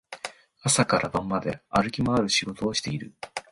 朝から晩まで歩き回る仕事をしている